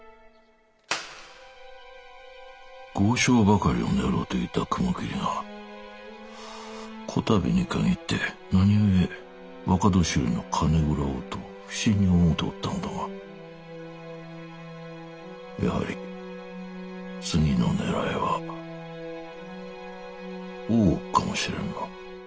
豪商ばかりを狙うていた雲霧が此度に限って何故若年寄の金蔵をと不思議に思うておったのだがやはり次の狙いは大奥かもしれぬな。